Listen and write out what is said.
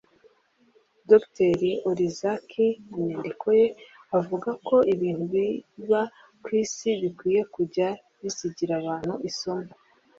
Dr Olzacki mu nyandiko ye avuga ko ibintu biba ku Isi bikwiye kujya bisigira abantu isomo